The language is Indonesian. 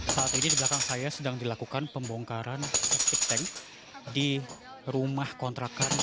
saat ini di belakang saya sedang dilakukan pembongkaran septic tank di rumah kontrakan